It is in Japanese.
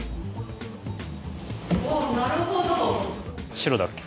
白だっけ？